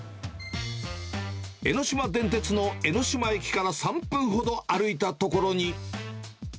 江ノ島電鉄の江ノ島駅から３分ほど歩いた所に。